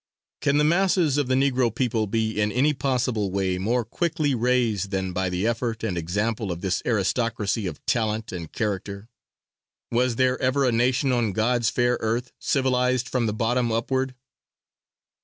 Can the masses of the Negro people be in any possible way more quickly raised than by the effort and example of this aristocracy of talent and character? Was there ever a nation on God's fair earth civilized from the bottom upward?